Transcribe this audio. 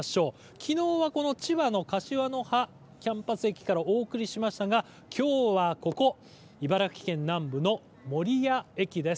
きのうは千葉の柏の葉キャンパス駅からお送りしましたがきょうはここ、茨城県南部の守谷駅です。